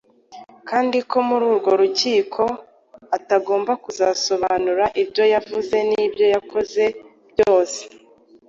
kandi ko muri urwo rukiko atagomba kuzasobanura ibyo yavuze n’ibyo yakoze byose